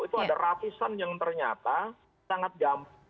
itu ada ratusan yang ternyata sangat gampang